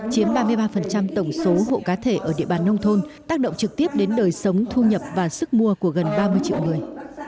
chiếm ba mươi ba tổng số hộ cá thể ở địa bàn nông thôn tác động trực tiếp đến đời sống thu nhập và sức mua của gần ba mươi triệu người